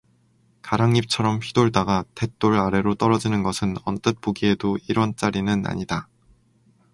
가랑잎처럼 휘돌다가 댓돌 아래로 떨어지는 것은 언뜻 보기에도 일 원 짜리 는아니다.